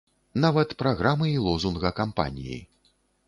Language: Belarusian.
Нават праграмы і лозунга кампаніі.